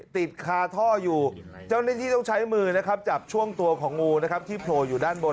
ติดคาท่ออยู่เจ้าหน้าที่ต้องใช้มือนะครับจับช่วงตัวของงูนะครับที่โผล่อยู่ด้านบน